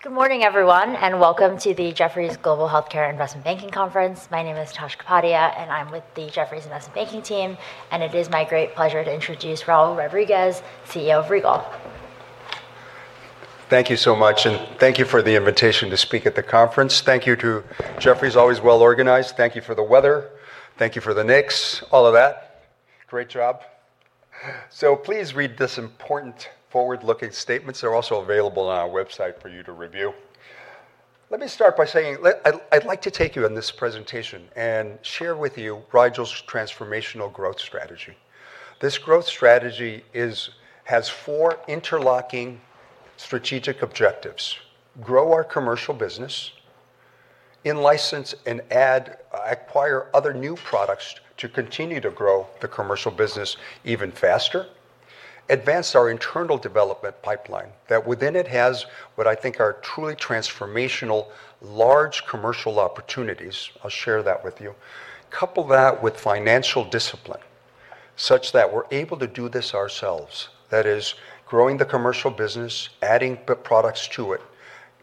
Good morning everyone, welcome to the Jefferies Global Healthcare Investment Banking Conference. My name is Tasha Kapadia, and I'm with the Jefferies Investment Banking team. It is my great pleasure to introduce Raul Rodriguez, CEO of Rigel. Thank you so much. Thank you for the invitation to speak at the conference. Thank you to Jefferies. Always well organized. Thank you for the weather. Thank you for the Knicks. All of that. Great job. Please read this important forward-looking statements. They're also available on our website for you to review. Let me start by saying, I'd like to take you on this presentation and share with you Rigel's transformational growth strategy. This growth strategy has four interlocking strategic objectives. Grow our commercial business, in-license and add, acquire other new products to continue to grow the commercial business even faster. Advance our internal development pipeline that within it has what I think are truly transformational large commercial opportunities. I'll share that with you. Couple that with financial discipline, such that we're able to do this ourselves. That is growing the commercial business, adding products to it,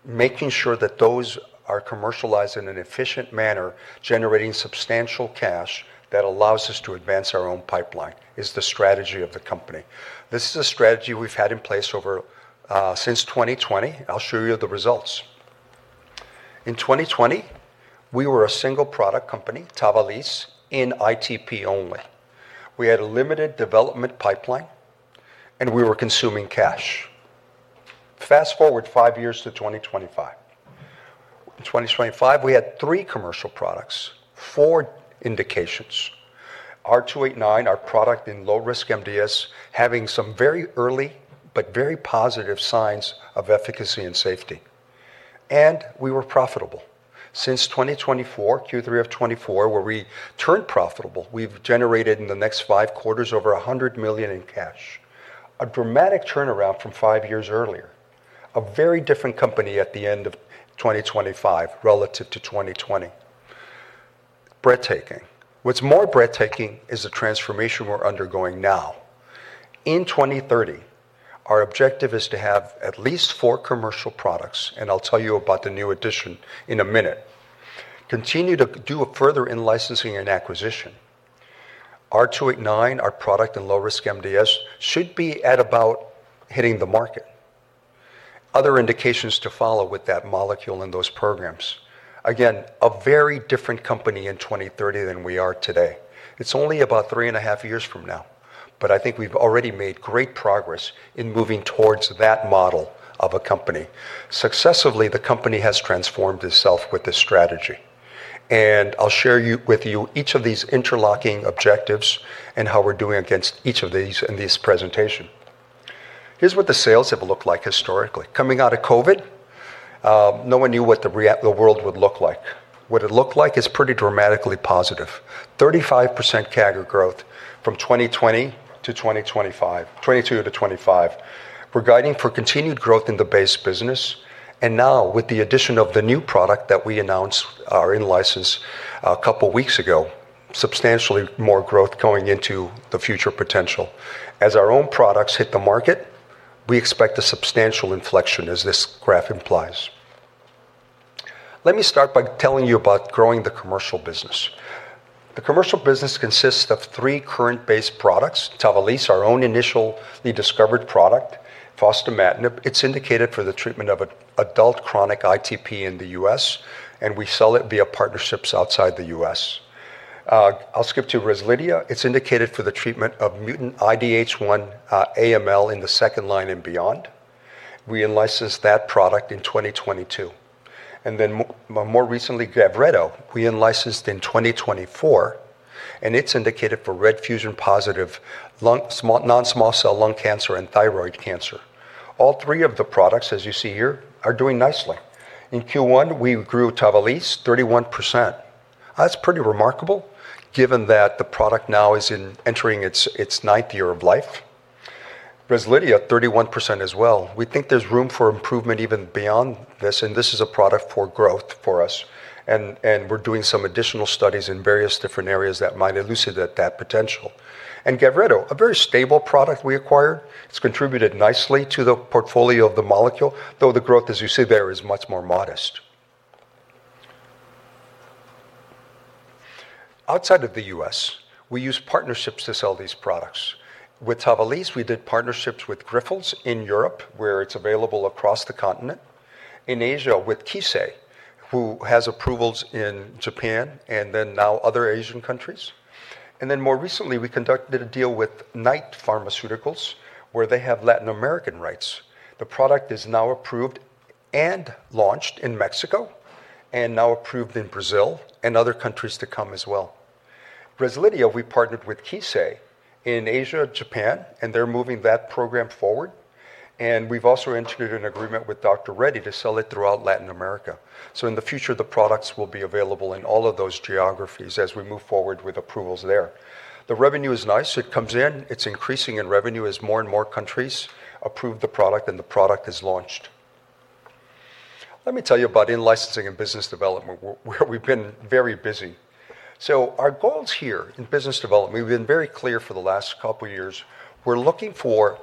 making sure that those are commercialized in an efficient manner, generating substantial cash that allows us to advance our own pipeline is the strategy of the company. This is a strategy we've had in place since 2020. I'll show you the results. In 2020, we were a single product company, TAVALISSE, in ITP only. We had a limited development pipeline, and we were consuming cash. Fast-forward five years to 2025. In 2025, we had three commercial products, four indications. R289, our product in low-risk MDS, having some very early but very positive signs of efficacy and safety. We were profitable. Since 2024, Q3 of 2024, where we turned profitable, we've generated in the next five quarters over $100 million in cash. A dramatic turnaround from five years earlier. A very different company at the end of 2025 relative to 2020. Breathtaking. What's more breathtaking is the transformation we're undergoing now. In 2030, our objective is to have at least four commercial products, and I'll tell you about the new addition in a minute. Continue to do further in licensing and acquisition. R289, our product in lower-risk MDS, should be at about hitting the market. Other indications to follow with that molecule and those programs. Again, a very different company in 2030 than we are today. It's only about three and a half years from now, but I think we've already made great progress in moving towards that model of a company. Successively, the company has transformed itself with this strategy. I'll share with you each of these interlocking objectives and how we're doing against each of these in this presentation. Here's what the sales have looked like historically. Coming out of COVID, no one knew what the world would look like. What it looked like is pretty dramatically positive. 35% CAGR growth from 2020 to 2025, 2022 to 2025. Now with the addition of the new product that we announced our in-license a couple of weeks ago, substantially more growth going into the future potential. As our own products hit the market, we expect a substantial inflection as this graph implies. Let me start by telling you about growing the commercial business. The commercial business consists of three current base products. TAVALISSE, our own initially discovered product. fostamatinib, it's indicated for the treatment of adult chronic ITP in the U.S., and we sell it via partnerships outside the U.S. I'll skip to REZLIDHIA. It's indicated for the treatment of mutant IDH1 AML in the second line and beyond. We in-licensed that product in 2022. More recently, GAVRETO, we in-licensed in 2024, and it's indicated for RET fusion-positive non-small cell lung cancer and thyroid cancer. All three of the products, as you see here, are doing nicely. In Q1, we grew TAVALISSE 31%. That's pretty remarkable given that the product now is entering its ninth year of life. REZLIDHIA, 31% as well. We think there's room for improvement even beyond this. This is a product for growth for us. We're doing some additional studies in various different areas that might elucidate that potential. GAVRETO, a very stable product we acquired. It's contributed nicely to the portfolio of the molecule, though the growth, as you see there, is much more modest. Outside of the U.S., we use partnerships to sell these products. With TAVALISSE, we did partnerships with Grifols in Europe, where it's available across the continent. In Asia, with Kissei, who has approvals in Japan and then now other Asian countries. More recently, we conducted a deal with Knight Therapeutics, where they have Latin American rights. The product is now approved and launched in Mexico, and now approved in Brazil, and other countries to come as well. REZLIDHIA, we partnered with Kissei in Asia, Japan, and they're moving that program forward. We've also entered an agreement with Dr. Reddy's to sell it throughout Latin America. In the future, the products will be available in all of those geographies as we move forward with approvals there. The revenue is nice. It comes in, it's increasing in revenue as more and more countries approve the product and the product is launched. Let me tell you about in-licensing and business development, where we've been very busy. Our goals here in business development, we've been very clear for the last couple of years. We're looking for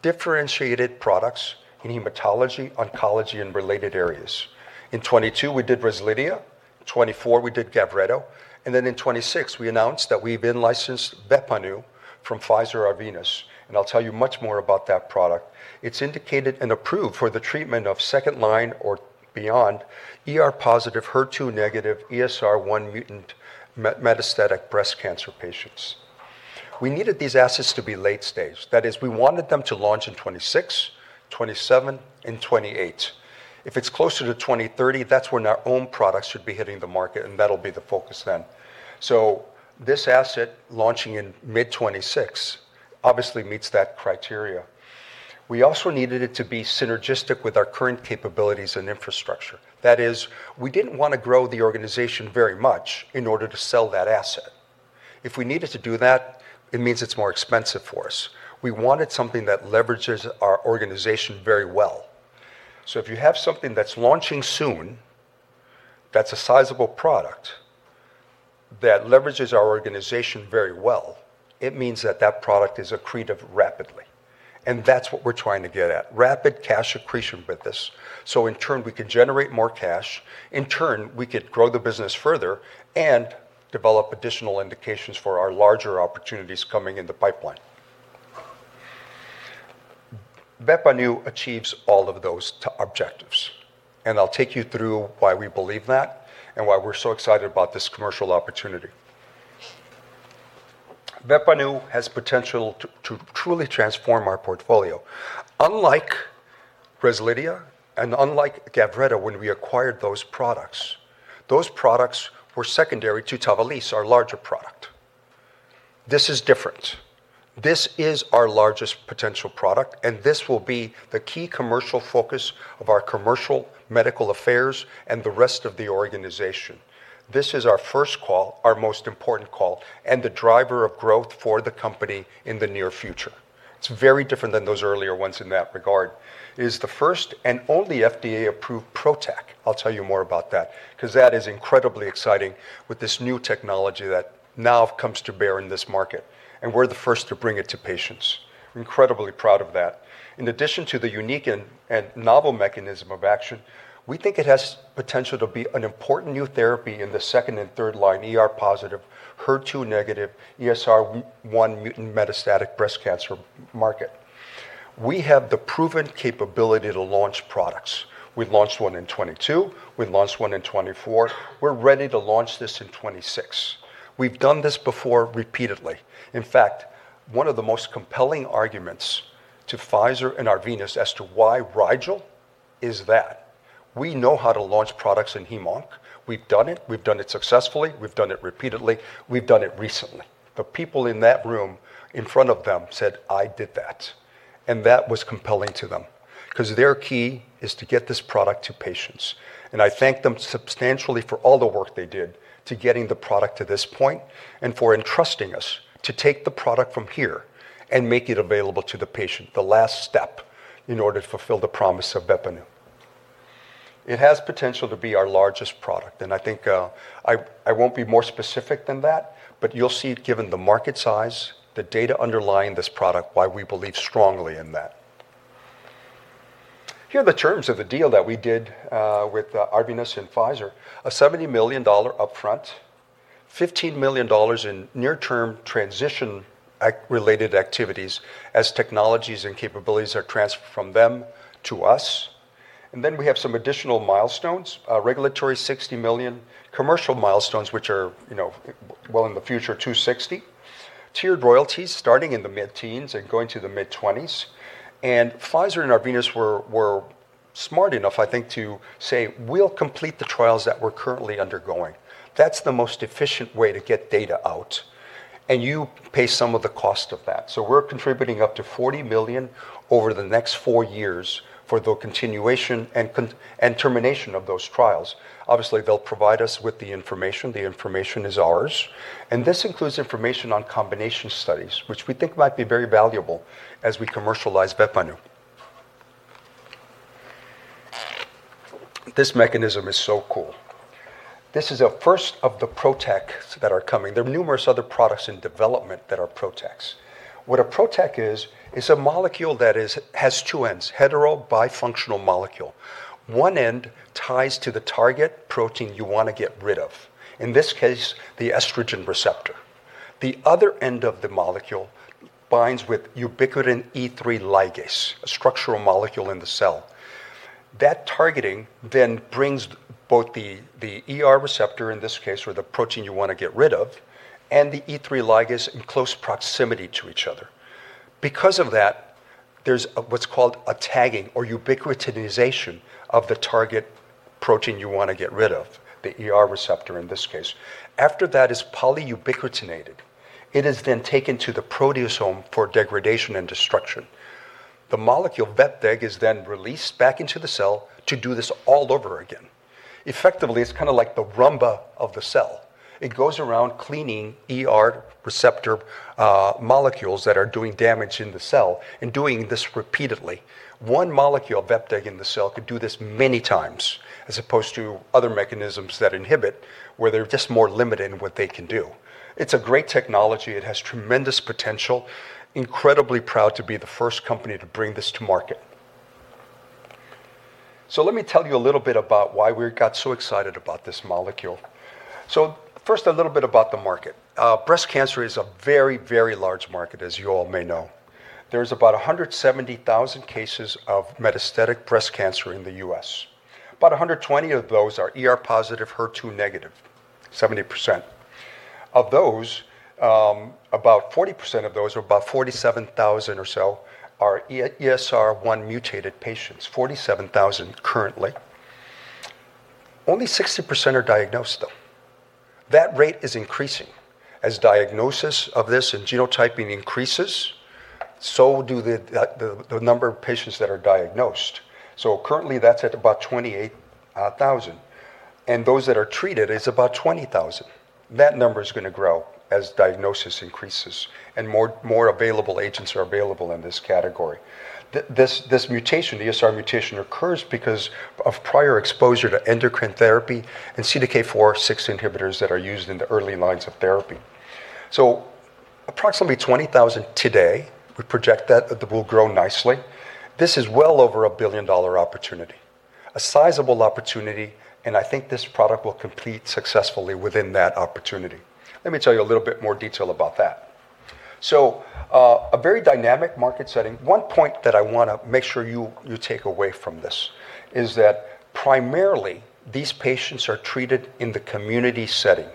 differentiated products in hematology, oncology, and related areas. In 2022, we did REZLIDHIA, in 2024, we did GAVRETO, and then in 2026, we announced that we've in-licensed VEPPANU from Pfizer/Arvinas, and I'll tell you much more about that product. It's indicated and approved for the treatment of second-line or beyond ER-positive, HER2-negative, ESR1-mutant metastatic breast cancer patients. We needed these assets to be late-stage. That is, we wanted them to launch in 2026, 2027, and 2028. If it's closer to 2030, that's when our own products should be hitting the market, and that'll be the focus then. This asset launching in mid 2026 obviously meets that criteria. We also needed it to be synergistic with our current capabilities and infrastructure. That is, we didn't want to grow the organization very much in order to sell that asset. If we needed to do that, it means it's more expensive for us. We wanted something that leverages our organization very well. If you have something that's launching soon, that's a sizable product that leverages our organization very well, it means that that product is accretive rapidly, and that's what we're trying to get at, rapid cash accretion with this. In turn, we can generate more cash, in turn, we could grow the business further and develop additional indications for our larger opportunities coming in the pipeline. VEPPANU achieves all of those objectives, and I'll take you through why we believe that and why we're so excited about this commercial opportunity. VEPPANU has potential to truly transform our portfolio. Unlike REZLIDHIA and unlike GAVRETO when we acquired those products, those products were secondary to TAVALISSE, our larger product. This is different. This is our largest potential product, and this will be the key commercial focus of our commercial medical affairs and the rest of the organization. This is our first call, our most important call, and the driver of growth for the company in the near future. It's very different than those earlier ones in that regard. It is the first and only FDA-approved PROTAC. I'll tell you more about that because that is incredibly exciting with this new technology that now comes to bear in this market, and we're the first to bring it to patients. Incredibly proud of that. In addition to the unique and novel mechanism of action, we think it has potential to be an important new therapy in the second and third-line ER-positive, HER2-negative, ESR1 mutant metastatic breast cancer market. We have the proven capability to launch products. We launched one in 2022. We launched one in 2024. We're ready to launch this in 2026. We've done this before repeatedly. In fact, one of the most compelling arguments to Pfizer and Arvinas as to why Rigel is that we know how to launch products in heme/onc. We've done it. We've done it successfully. We've done it repeatedly. We've done it recently. The people in that room in front of them said, I did that. That was compelling to them because their key is to get this product to patients. I thank them substantially for all the work they did to getting the product to this point and for entrusting us to take the product from here and make it available to the patient, the last step in order to fulfill the promise of VEPPANU. It has potential to be our largest product, and I think I won't be more specific than that, but you'll see it given the market size, the data underlying this product, why we believe strongly in that. Here are the terms of the deal that we did with Arvinas and Pfizer, a $70 million upfront, $15 million in near-term transition related activities as technologies and capabilities are transferred from them to us. We have some additional milestones, regulatory $60 million commercial milestones, which are well in the future, $260 million. Tiered royalties starting in the mid-teens and going to the mid-20s. Pfizer and Arvinas were smart enough, I think, to say, "We'll complete the trials that we're currently undergoing." That's the most efficient way to get data out, and you pay some of the cost of that. We're contributing up to $40 million over the next four years for the continuation and termination of those trials. Obviously, they'll provide us with the information. The information is ours. This includes information on combination studies, which we think might be very valuable as we commercialize VEPPANU. This mechanism is so cool. This is a first of the PROTACs that are coming. There are numerous other products in development that are PROTACs. What a PROTAC is a molecule that has two ends, heterobifunctional molecule. One end ties to the target protein you want to get rid of, in this case, the estrogen receptor. The other end of the molecule binds with ubiquitin E3 ligase, a structural molecule in the cell. That targeting then brings both the ER receptor, in this case, or the protein you want to get rid of, and the E3 ligase in close proximity to each other. Because of that, there's what's called a tagging or ubiquitination of the target protein you want to get rid of, the ER receptor in this case. After that is polyubiquitinated, it is then taken to the proteasome for degradation and destruction. The molecule vepdegestrant is then released back into the cell to do this all over again. Effectively, it's kind of like the Roomba of the cell. It goes around cleaning ER receptor molecules that are doing damage in the cell and doing this repeatedly. One molecule of vepdegestrant in the cell could do this many times, as opposed to other mechanisms that inhibit, where they're just more limited in what they can do. It's a great technology. It has tremendous potential. Incredibly proud to be the first company to bring this to market. Let me tell you a little bit about why we got so excited about this molecule. First, a little bit about the market. Breast cancer is a very large market, as you all may know. There's about 170,000 cases of metastatic breast cancer in the U.S. About 120 of those are ER-positive, HER2-negative, 70%. Of those, about 40% of those, or about 47,000 or so, are ESR1 mutated patients. 47,000 currently. Only 60% are diagnosed, though. That rate is increasing. As diagnosis of this and genotyping increases, so do the number of patients that are diagnosed. Currently, that's at about 28,000, and those that are treated is about 20,000. That number's going to grow as diagnosis increases and more available agents are available in this category. This mutation, the ESR mutation, occurs because of prior exposure to endocrine therapy and CDK4/6 inhibitors that are used in the early lines of therapy. Approximately 20,000 today. We project that it will grow nicely. This is well over a billion-dollar opportunity, a sizable opportunity, and I think this product will compete successfully within that opportunity. Let me tell you a little bit more detail about that. A very dynamic market setting. One point that I want to make sure you take away from this is that primarily these patients are treated in the community setting,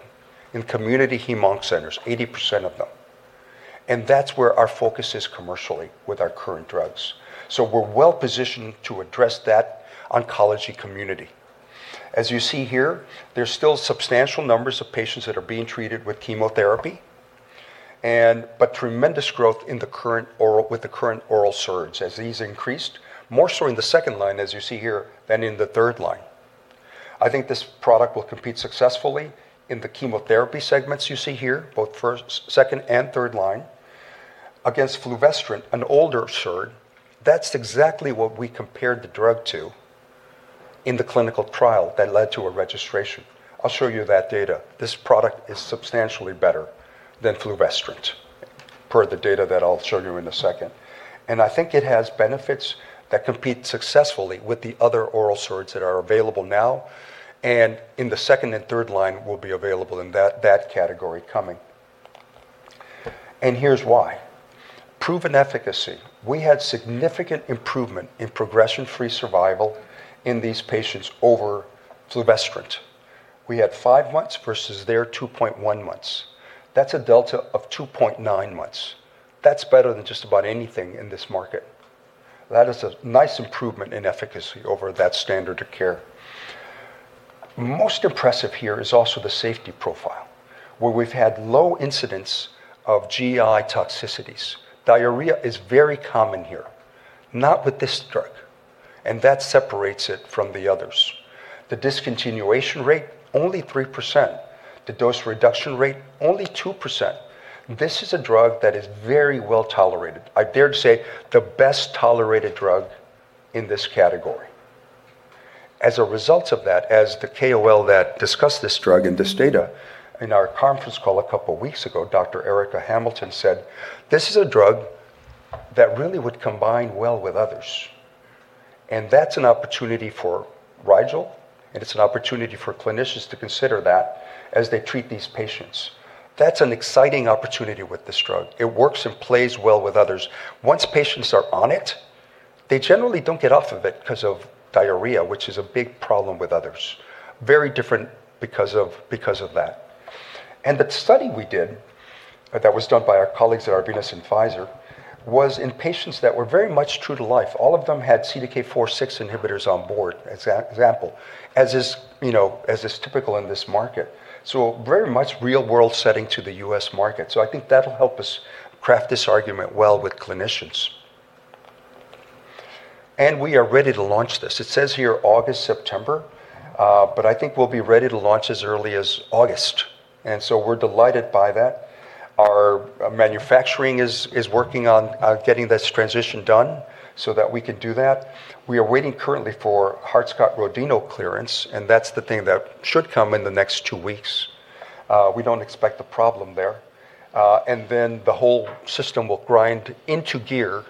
in community heme/onc centers, 80% of them. That's where our focus is commercially with our current drugs. We're well-positioned to address that oncology community. You see here, there's still substantial numbers of patients that are being treated with chemotherapy, but tremendous growth with the current oral SERDs as these increased, more so in the second line, as you see here, than in the third line. I think this product will compete successfully in the chemotherapy segments you see here, both first, second, and third line against fulvestrant, an older SERD. That's exactly what we compared the drug to in the clinical trial that led to a registration. I'll show you that data. This product is substantially better than fulvestrant, per the data that I'll show you in a second, and I think it has benefits that compete successfully with the other oral SERDs that are available now and in the second and third line will be available in that category coming. Here's why. Proven efficacy. We had significant improvement in progression-free survival in these patients over fulvestrant. We had five months versus their 2.1 months. That's a delta of 2.9 months. That's better than just about anything in this market. That is a nice improvement in efficacy over that standard of care. Most impressive here is also the safety profile, where we've had low incidents of GI toxicities. Diarrhea is very common here, not with this drug, and that separates it from the others. The discontinuation rate, only 3%. The dose reduction rate, only 2%. This is a drug that is very well-tolerated. I dare to say the best-tolerated drug in this category. As a result of that, as the KOL that discussed this drug and this data in our conference call a couple of weeks ago, Dr. Erika Hamilton said this is a drug that really would combine well with others, and that's an opportunity for Rigel, and it's an opportunity for clinicians to consider that as they treat these patients. That's an exciting opportunity with this drug. It works and plays well with others. Once patients are on it, they generally don't get off of it because of diarrhea, which is a big problem with others. Very different because of that. The study we did, that was done by our colleagues at Arvinas and Pfizer, was in patients that were very much true to life. All of them had CDK4/6 inhibitors on board, as example, as is typical in this market. Very much real-world setting to the U.S. market. I think that'll help us craft this argument well with clinicians. We are ready to launch this. It says here August, September, but I think we'll be ready to launch as early as August, we're delighted by that. Our manufacturing is working on getting this transition done so that we can do that. We are waiting currently for Hart-Scott-Rodino clearance, that's the thing that should come in the next two weeks. We don't expect a problem there. Then the whole system will grind into gear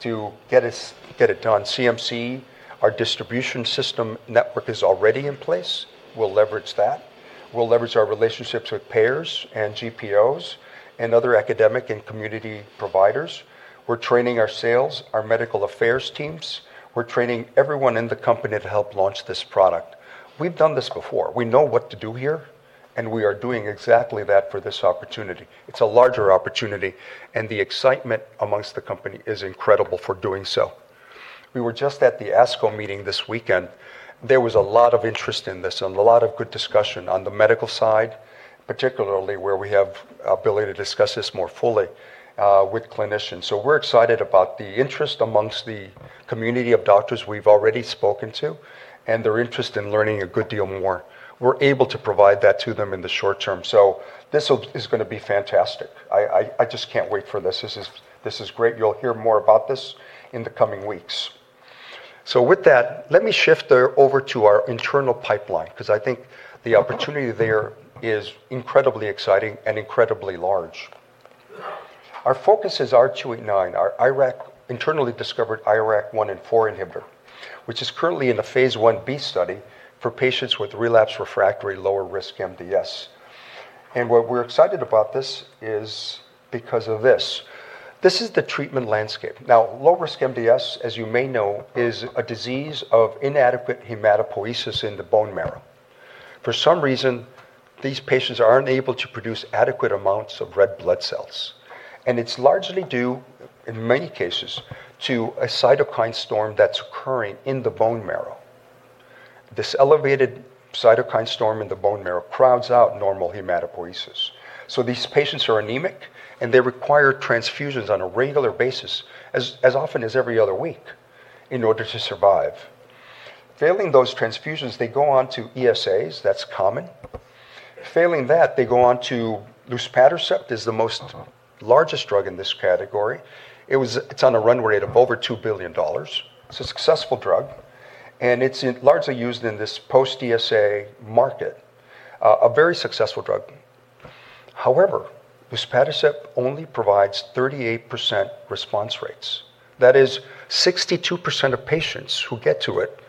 to get it done. CMC, our distribution system network is already in place. We'll leverage that. We'll leverage our relationships with payers and GPOs and other academic and community providers. We're training our sales, our medical affairs teams. We're training everyone in the company to help launch this product. We've done this before. We know what to do here. We are doing exactly that for this opportunity. It's a larger opportunity. The excitement amongst the company is incredible for doing so. We were just at the ASCO meeting this weekend. There was a lot of interest in this and a lot of good discussion on the medical side, particularly where we have ability to discuss this more fully with clinicians. We're excited about the interest amongst the community of doctors we've already spoken to. They're interested in learning a good deal more. We're able to provide that to them in the short term. This is going to be fantastic. I just can't wait for this. This is great. You'll hear more about this in the coming weeks. With that, let me shift over to our internal pipeline, because I think the opportunity there is incredibly exciting and incredibly large. Our focus is R289, our internally discovered IRAK1 and IRAK4 inhibitor, which is currently in a phase I-B study for patients with relapsed/refractory lower-risk MDS. Why we're excited about this is because of this. This is the treatment landscape. Now, low-risk MDS, as you may know, is a disease of inadequate hematopoiesis in the bone marrow. For some reason, these patients aren't able to produce adequate amounts of red blood cells, and it's largely due, in many cases, to a cytokine storm that's occurring in the bone marrow. This elevated cytokine storm in the bone marrow crowds out normal hematopoiesis. These patients are anemic, and they require transfusions on a regular basis as often as every other week in order to survive. Failing those transfusions, they go on to ESAs, that's common. Failing that, they go on to luspatercept is the largest drug in this category. It's on a run rate of over $2 billion. It's a successful drug, and it's largely used in this post-ESA market. A very successful drug. However, luspatercept only provides 38% response rates. That is 62% of patients who get to it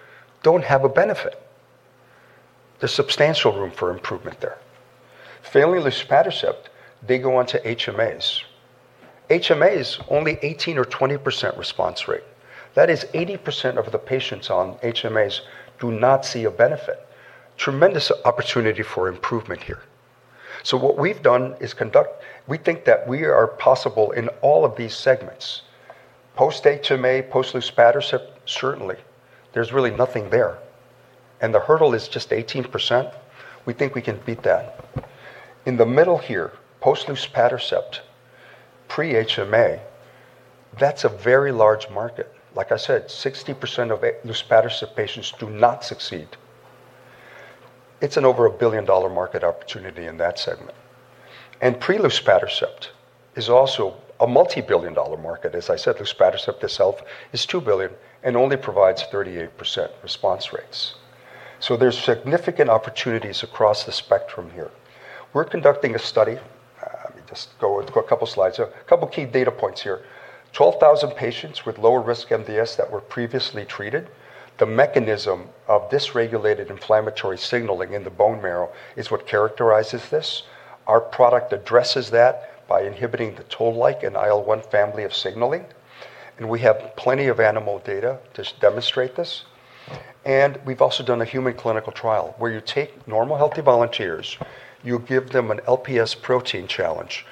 don't have a benefit. There's substantial room for improvement there. Failing luspatercept, they go on to HMAs. HMAs, only 18% or 20% response rate. That is 80% of the patients on HMAs do not see a benefit. Tremendous opportunity for improvement here. What we've done is we think that we are possible in all of these segments. Post-HMA, post-luspatercept, certainly. There's really nothing there. The hurdle is just 18%. We think we can beat that. In the middle here, post-luspatercept, pre-HMA, that's a very large market. Like I said, 60% of luspatercept patients do not succeed. It's an over a $1 billion market opportunity in that segment. Pre-luspatercept is also a multi-billion dollar market. As I said, luspatercept itself is $2 billion and only provides 38% response rates. There's significant opportunities across the spectrum here. We're conducting a study. Let me just go a couple slides. A couple key data points here. 12,000 patients with lower-risk MDS that were previously treated. The mechanism of dysregulated inflammatory signaling in the bone marrow is what characterizes this. Our product addresses that by inhibiting the Toll-like and IL-1 family of signaling, and we have plenty of animal data to demonstrate this. We've also done a human clinical trial where you take normal, healthy volunteers, you give them an LPS protein challenge.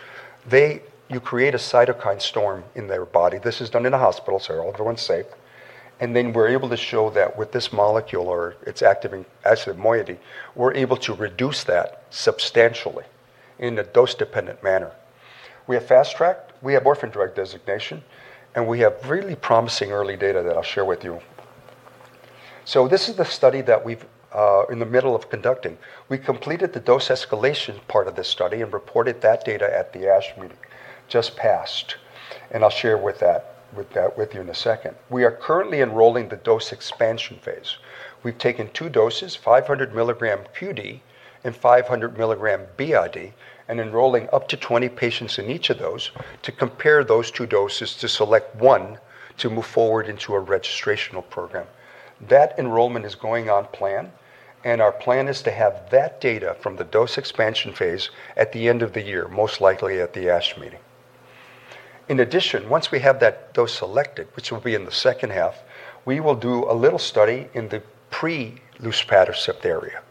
You create a cytokine storm in their body. This is done in a hospital, so everyone's safe. Then we're able to show that with this molecule or its active acid moiety, we're able to reduce that substantially in a dose-dependent manner. We have fast track, we have orphan drug designation, and we have really promising early data that I'll share with you. This is the study that we've in the middle of conducting. We completed the dose escalation part of this study and reported that data at the ASH meeting just passed, and I'll share with you in a second. We are currently enrolling the dose expansion phase. We've taken two doses, 500 mg QD and 500 mg BID, and enrolling up to 20 patients in each of those to compare those two doses to select one to move forward into a registrational program. That enrollment is going on plan. Our plan is to have that data from the dose expansion phase at the end of the year, most likely at the ASH meeting. In addition, once we have that dose selected, which will be in the second half, we will do a little study in the pre-luspatercept area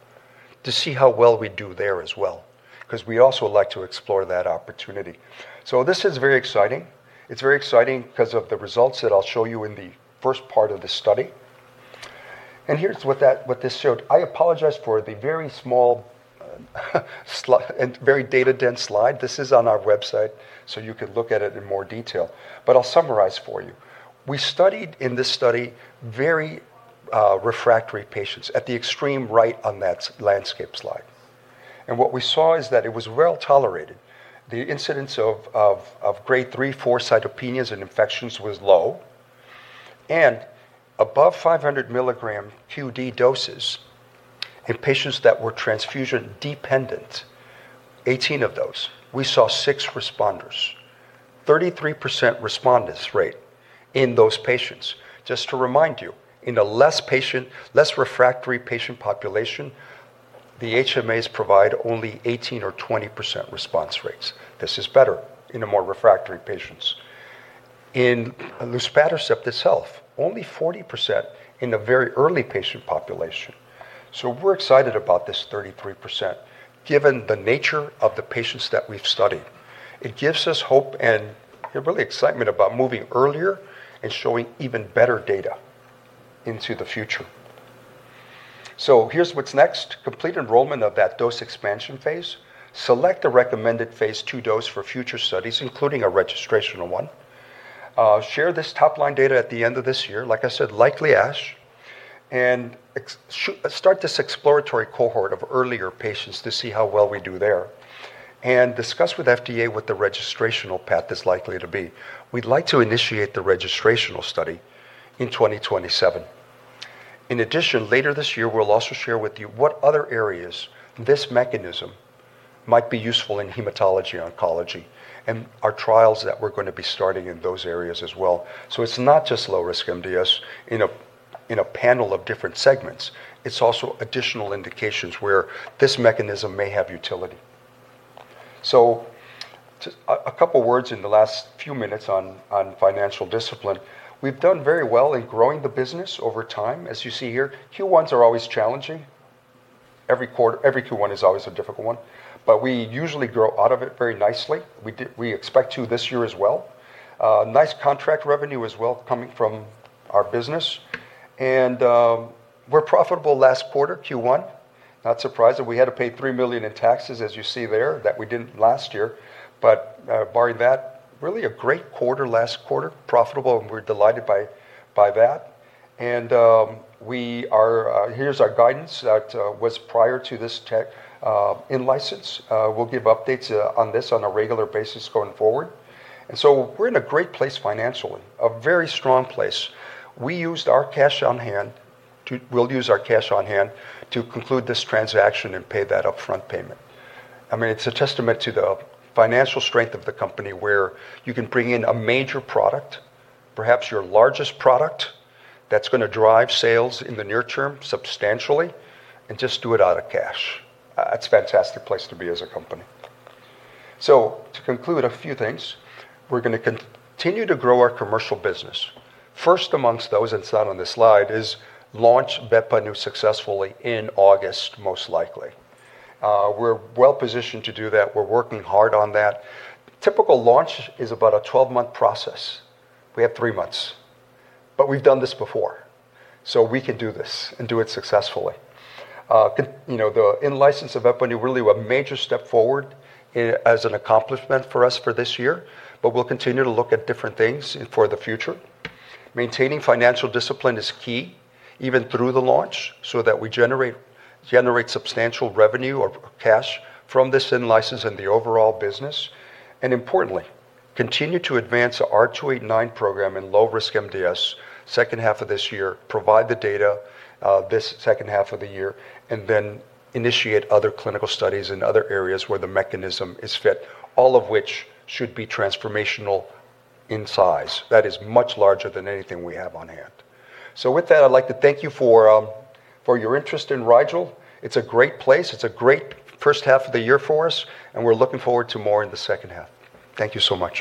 to see how well we do there as well. We also would like to explore that opportunity. This is very exciting. It's very exciting because of the results that I'll show you in the first part of the study. Here's what this showed. I apologize for the very small and very data-dense slide. This is on our website, so you can look at it in more detail. I'll summarize for you. We studied in this study very refractory patients at the extreme right on that landscape slide. What we saw is that it was well-tolerated. The incidence of Grade 3/4 cytopenias and infections was low. Above 500 mg QD doses in patients that were transfusion-dependent, 18 of those, we saw six responders, 33% respondents rate in those patients. Just to remind you, in a less refractory patient population, the HMAs provide only 18% or 20% response rates. This is better in the more refractory patients. In luspatercept itself, only 40% in the very early patient population. We're excited about this 33%, given the nature of the patients that we've studied. It gives us hope and really excitement about moving earlier and showing even better data into the future. Here's what's next. Complete enrollment of that dose expansion phase. Select a recommended phase II dose for future studies, including a registrational one. Share this top-line data at the end of this year, like I said, likely ASH. Start this exploratory cohort of earlier patients to see how well we do there. Discuss with FDA what the registrational path is likely to be. We'd like to initiate the registrational study in 2027. In addition, later this year, we'll also share with you what other areas this mechanism might be useful in hematology, oncology, and our trials that we're going to be starting in those areas as well. It's not just low risk MDS in a panel of different segments. It's also additional indications where this mechanism may have utility. Just a couple of words in the last few minutes on financial discipline. We've done very well in growing the business over time, as you see here. Q1s are always challenging. Every Q1 is always a difficult one, we usually grow out of it very nicely. We expect to this year as well. Nice contract revenue as well coming from our business. We're profitable last quarter, Q1. Not surprised that we had to pay $3 million in taxes as you see there, that we didn't last year. Barring that, really a great quarter last quarter, profitable, and we're delighted by that. Here's our guidance that was prior to this tech in-license. We'll give updates on this on a regular basis going forward. We're in a great place financially, a very strong place. We'll use our cash on hand to conclude this transaction and pay that upfront payment. It's a testament to the financial strength of the company, where you can bring in a major product, perhaps your largest product, that's going to drive sales in the near term substantially and just do it out of cash. It's a fantastic place to be as a company. To conclude, a few things. We're going to continue to grow our commercial business. First amongst those, it's not on this slide, is launch VEPPANU successfully in August, most likely. We're well-positioned to do that. We're working hard on that. Typical launch is about a 12-month process. We have three months, but we've done this before, so we can do this and do it successfully. The in-license of VEPPANU really were a major step forward as an accomplishment for us for this year. We'll continue to look at different things for the future. Maintaining financial discipline is key, even through the launch, that we generate substantial revenue or cash from this in-license and the overall business. Importantly, continue to advance our R289 program in low risk MDS second half of this year, provide the data this second half of the year, initiate other clinical studies in other areas where the mechanism is fit, all of which should be transformational in size. That is much larger than anything we have on hand. With that, I'd like to thank you for your interest in Rigel. It's a great place. It's a great first half of the year for us. We're looking forward to more in the second half. Thank you so much.